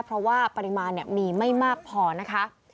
เพราะว่าปริมาณมีไม่มากพอนะคะ